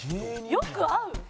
よく会う？